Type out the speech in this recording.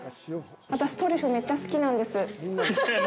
私、トリュフめっちゃ好きなんです。